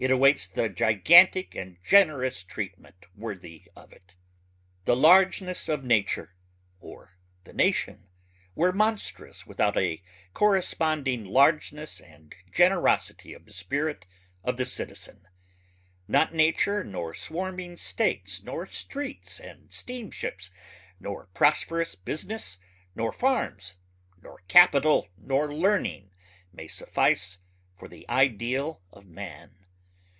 It awaits the gigantic and generous treatment worthy of it. The largeness of nature or the nation were monstrous without a corresponding largeness and generosity of the spirit of the citizen. Not nature nor swarming states nor streets and steamships nor prosperous business nor farms nor capital nor learning may suffice for the ideal of man